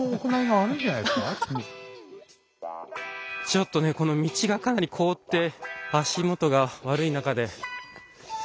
ちょっとねこの道がかなり凍って足元が悪い中で。